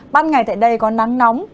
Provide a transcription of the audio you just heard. ban ngày tại đây có nắng nóng